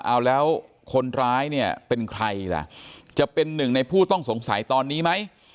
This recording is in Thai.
เอาแล้วคนร้ายเนี่ยเป็นใครล่ะจะเป็นหนึ่งในผู้ต้องสงสัยตอนนี้ไหม